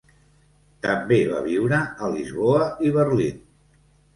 També va viure a Lisboa i Berlín.